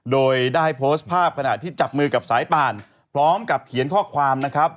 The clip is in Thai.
โดยได้โพสต์ภาพขณะที่จับมือกับสายป่านพร้อมกับเขียนข้อความนะครับ